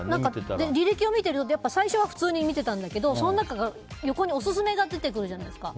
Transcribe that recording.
履歴を見てみると最初は普通に見てたんだけど横にオススメが出てくるじゃないですか。